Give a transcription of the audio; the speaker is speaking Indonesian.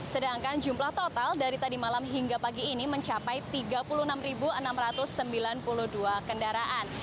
sedangkan jumlah total dari tadi malam hingga pagi ini mencapai tiga puluh enam enam ratus sembilan puluh dua kendaraan